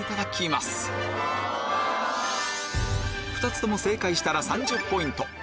２つとも正解したら３０ポイント